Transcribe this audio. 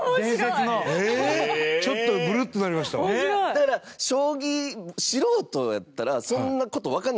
だから、将棋素人やったら、そんな事わかんないじゃないですか。